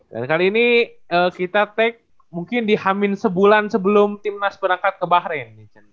dan kali ini kita tag mungkin dihamin sebulan sebelum timnas berangkat ke bahrain